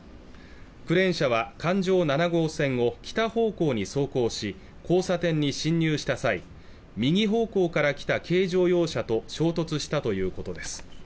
クレーン車は環状７号線を北方向に走行し交差点に進入した際右方向から来た軽乗用車と衝突したということです